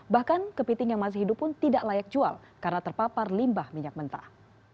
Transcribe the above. bahkan kepiting yang masih hidup pun tidak layak jual karena terpapar limbah minyak mentah